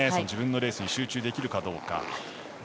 自分のレースに集中できるか。